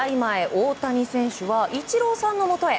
大谷選手はイチローさんのもとへ。